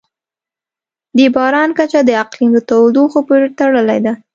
د باران کچه د اقلیم د تودوخې پورې تړلې ده.